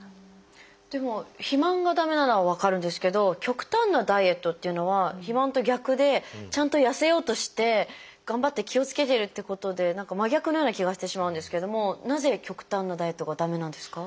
でも肥満が駄目なのは分かるんですけど極端なダイエットっていうのは肥満と逆でちゃんと痩せようとして頑張って気をつけてるってことで何か真逆なような気がしてしまうんですけどもなぜ極端なダイエットが駄目なんですか？